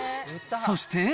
そして。